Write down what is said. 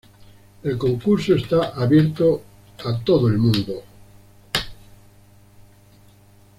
El concurso está abierto a todo el mundo.